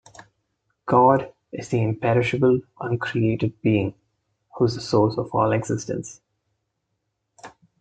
God is the imperishable, uncreated being who is the source of all existence.